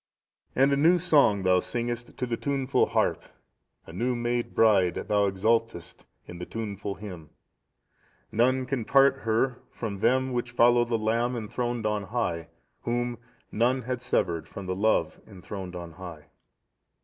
"And a new song thou singest to the tuneful harp; a new made bride, thou exultest in the tuneful hymn. "None can part her from them which follow the Lamb enthroned on high, whom none had severed from the Love enthroned on high."